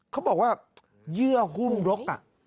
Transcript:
เขาบอกว่าเยื่อหุ้มรก